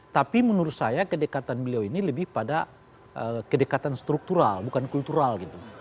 tapi menurut saya kedekatan beliau ini lebih pada kedekatan struktural bukan kultural gitu